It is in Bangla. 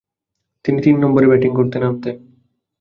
তিনি তিন নম্বরে ব্যাটিং করতে নামতেন।